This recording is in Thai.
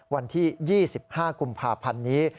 วันที่๒๕กุมภาพันธ์นี้